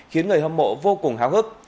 khiến người hâm mộ vô cùng háo hức